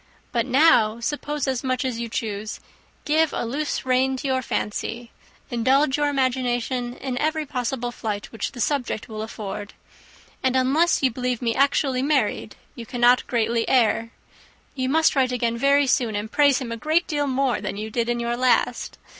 But now suppose as much as you choose; give a loose to your fancy, indulge your imagination in every possible flight which the subject will afford, and unless you believe me actually married, you cannot greatly err. You must write again very soon, and praise him a great deal more than you did in your last.